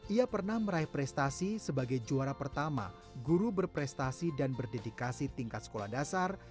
ia pernah meraih prestasi sebagai juara pertama guru berprestasi dan berdedikasi tingkat sekolah dasar